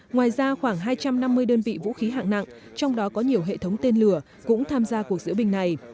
ngoài ra khoảng hai trăm năm mươi đơn vị vũ khí hạng nặng trong đó có nhiều hệ thống tên lửa cũng tham gia cuộc diễu binh này